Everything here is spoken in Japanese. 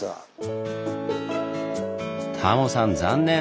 タモさん残念！